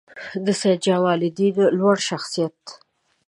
د سیدجمالدین لوړ شخصیت